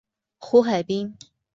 胡海滨。